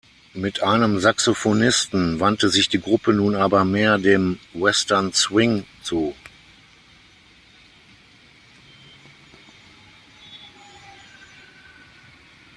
Mit einem Saxofonisten wandte sich die Gruppe nun aber mehr dem Western Swing zu.